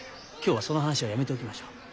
今日はその話はやめておきましょう。